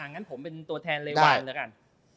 งั้นผมเป็นตัวแทนเรวานแล้วกัน